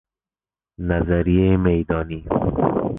نظریه میدانی